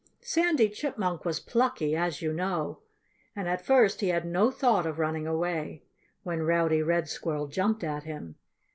Sandy Chipmunk was plucky as you know. And at first he had no thought of running away, when Rowdy Red Squirrel jumped at him.